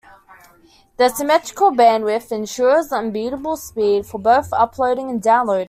Their symmetrical bandwidth ensures unbeatable speed for both uploading and downloading.